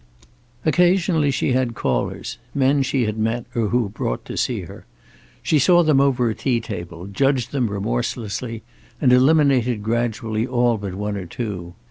Occasionally she had callers, men she had met or who were brought to see her. She saw them over a tea table, judged them remorselessly, and eliminated gradually all but one or two.